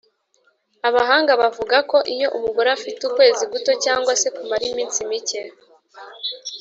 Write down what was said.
Abahanga bavuga ko iyo umugore afite ukwezi guto cyangwa se kumara iminsi mike